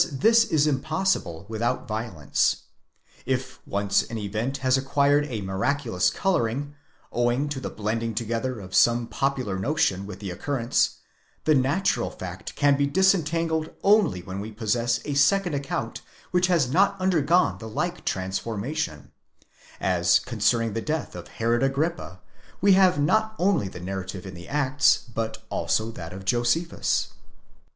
this is impossible without violence. If once an event has acquired a miraculous colouring, owing to the blending together of some popular notion with the occurrence, the natural fact can be disentangled only when we possess a second account which has not undergone the like trans formation ; as, concerning the death of Herod Agrippa, we have not only the narrative in the Acts, but also that of Josephus.?